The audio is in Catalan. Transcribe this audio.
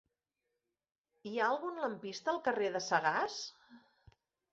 Hi ha algun lampista al carrer de Sagàs?